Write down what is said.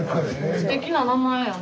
すてきな名前やな。